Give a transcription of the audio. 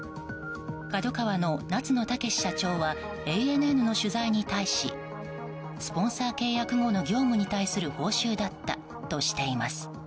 ＫＡＤＯＫＡＷＡの夏野剛社長はＡＮＮの取材に対しスポンサー契約後の業務に対する報酬だったとしています。